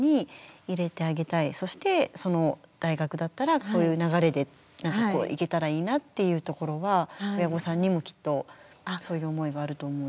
そしてその大学だったらこういう流れでいけたらいいなっていうところは親御さんにもきっとそういう思いがあると思うんですよね。